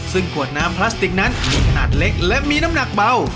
ซึ่งขวดน้ำพลาสติกนั้นมีขนาดเล็กและมีน้ำหนักเบา